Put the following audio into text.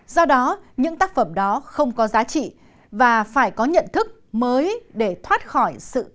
do đó những tác phẩm đó không có giá trị và phải có nhận thức mới để thoát khỏi sự